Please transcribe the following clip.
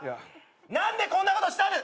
何でこんなことしたんで。